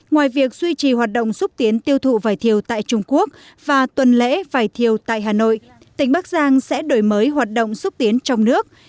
ngoài việc duy trì hoạt động xúc tiến tiêu thụ vải thiều tại trung quốc và tuần lễ vải thiều tại hà nội tỉnh bắc giang sẽ đổi mới hoạt động xúc tiến trong nước